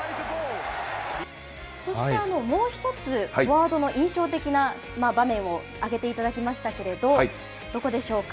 そしてもう一つ、フォワードの印象的な場面を挙げていただきましたけれど、どこでしょうか。